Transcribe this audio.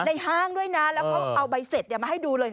ห้างด้วยนะแล้วก็เอาใบเสร็จมาให้ดูเลย